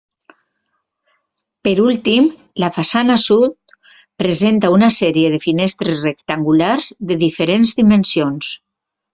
Per últim la façana sud presenta una sèrie de finestres rectangulars de diferents dimensions.